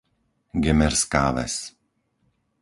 Gemerská Ves